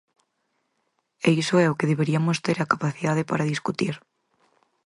E iso é o que deberiamos ter a capacidade para discutir.